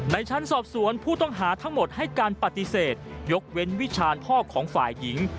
ชั้นสอบสวนผู้ต้องหาทั้งหมดให้การปฏิเสธยกเว้นวิชาญพ่อของฝ่ายหญิง